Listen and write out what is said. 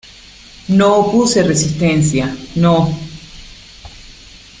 no opuse resistencia. ¡ no!